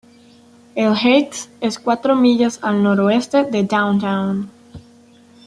El Heights es cuatro millas al noroeste de Downtown.